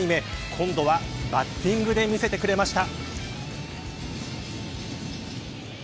今度はバッティングで見せてくれました。